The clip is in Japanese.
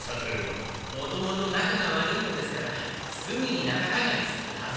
もともとなかが悪いのですからすぐになかたがいするはず。